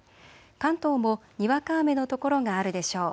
関東もにわか雨の所があるでしょう。